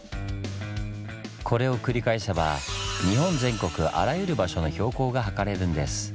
これを繰り返せば日本全国あらゆる場所の標高が測れるんです！